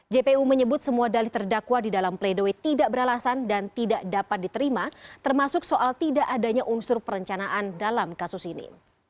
jpu menyebut semua dalih terdakwa di dalam pleidoy tidak beralasan dan tidak dapat diterima termasuk soal tidak adanya unsur perencanaan dalam kasus ini